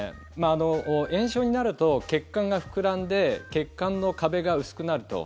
炎症になると血管が膨らんで血管の壁が薄くなると。